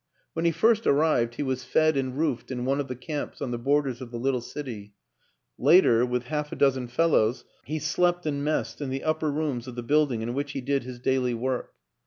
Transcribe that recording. When he first arrived 'he was fed and roofed in one of the camps on the borders of the little city; later, with half a dozen fellows, he slept and messed in the upper rooms of the building in which he did his daily work.